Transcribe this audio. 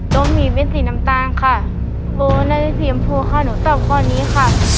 ก็มีเป็นสีน้ำตาลค่ะโบน่าจะสีชมพูค่ะหนูตอบข้อนี้ค่ะ